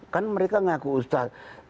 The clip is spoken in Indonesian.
kan mereka ngaku ustaz